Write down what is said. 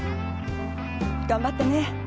頑張ってね。